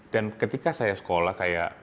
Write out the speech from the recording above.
dan ketika saya sekolah kayak